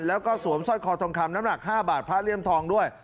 แล้วก็สวมสร้อยคอทองคำน้ำหนัก๕บาทพระเลี่ยมทองด้วย